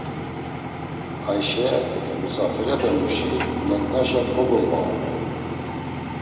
Ayşe, musafirepemuşi neǩnaşa kogolvaonu.